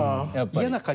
嫌な感じ